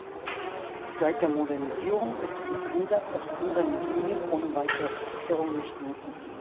Seit der Modernisierung ist ein Einsatz auf anderen Linien ohne weitere Vorkehrungen nicht möglich.